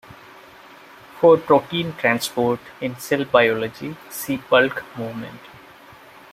For "protein transport" in cell biology see Bulk movement.